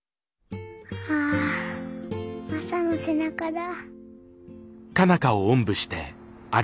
ああマサの背中だ。